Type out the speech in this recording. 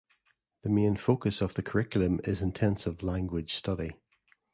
The main focus of the curriculum is intensive language study.